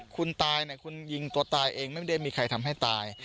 คุณตายเนี่ยคุณยิงตัวตายเองไม่ได้มีใครทำให้ตาย